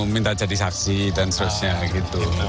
minta jadi saksi dan seterusnya gitu